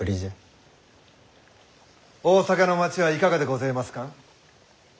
大坂の町はいかがでごぜますかん？